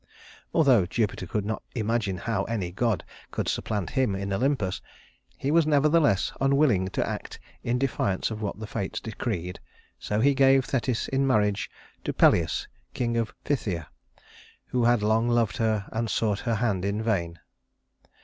Although Jupiter could not imagine how any god could supplant him in Olympus, he was nevertheless unwilling to act in defiance of what the Fates decreed; so he gave Thetis in marriage to Peleus, king of Phthia, who had long loved her and had sought her hand in vain.